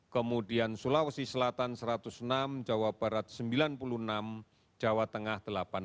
kemudian sulawesi selatan satu ratus enam jawa barat sembilan puluh enam jawa tengah delapan puluh enam